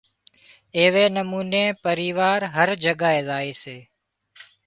ايوي نموني پريوار هر جگائي زائي سي